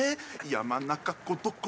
山中湖どこ？